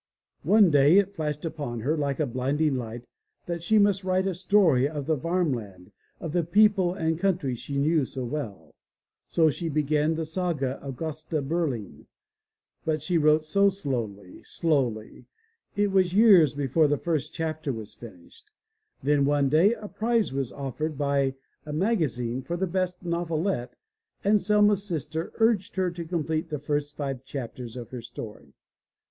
One day it flashed upon her like a blinding light that she must write a story of the Varmland, of the people and country she knew so well. So she began the Saga of Gbsta Berlin^, But she wrote so slowly, slowly. It was years be fore the first chapter was finished. Then one day a prize was offered by a magazine for the best novelette and Selma^s sister urged her to complete the first five chapters of her story.